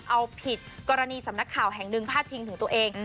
เอาผิดกรณีสำนักข่าวแห่งหนึ่งพาดพิงถึงตัวเอง